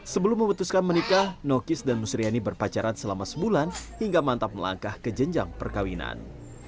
sebelum memutuskan menikah nokis dan musriani berpacaran selama sebulan hingga mantap melangkah ke jenjang perkawinan